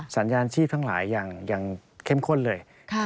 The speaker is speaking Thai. สัญญาณชีพทั้งหลายอย่างเข้มข้นเลย